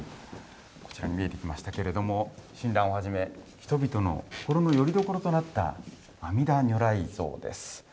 こちらに見えてきましたけれども親鸞をはじめ人々の心のよりどころとなった阿弥陀如来像です。